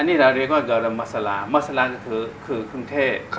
อันนี้เราเรียกว่าเกอรมมัสลามัสลาก็คือเครื่องเทศ